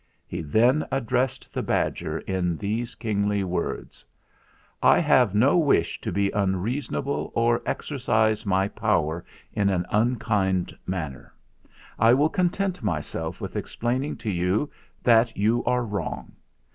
He then addressed the badger in these kingly words: "I have no wish to be unreasonable or ex ercise my power in an unkind manner. I will content myself with explaining to you that you are wrong.